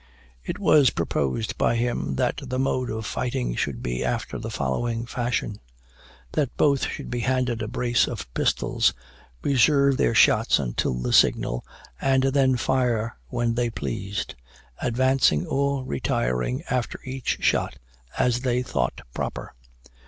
It was proposed by him that the mode of fighting should be after the following fashion: That both should be handed a brace of pistols; reserve their shots until the signal, and then fire when they pleased; advancing or retiring after each shot, as they thought proper.